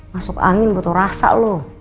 masuk angin butuh rasa loh